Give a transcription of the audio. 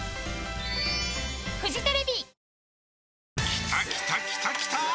きたきたきたきたー！